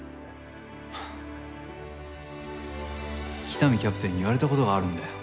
喜多見キャプテンに言われた事があるんだよ。